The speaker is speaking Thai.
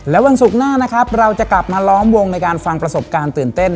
และวันศุกร์หน้านะครับเราจะกลับมาล้อมวงในการฟังประสบการณ์ตื่นเต้น